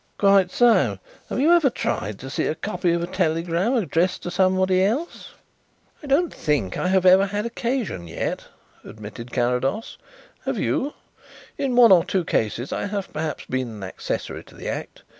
"Quite so. Have you ever tried to see a copy of a telegram addressed to someone else?" "I don't think I have ever had occasion yet," admitted Carrados. "Have you?" "In one or two cases I have perhaps been an accessory to the act.